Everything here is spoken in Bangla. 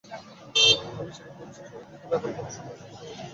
আমি স্বীকার করছি শুরুর দিকে ব্যাপারগুলোর সাথে মানাতে আমার খুব কষ্ট হয়েছে।